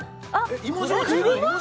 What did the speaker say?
芋焼酎？